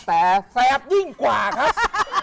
แต่แซ่บยิ่งกว่าครับ